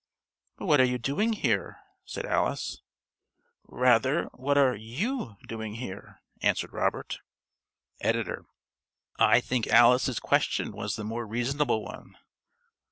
"But what are you doing here?" said Alice. "Rather, what are you doing here?" answered Robert. (~Editor.~ _I think Alice's question was the more reasonable one.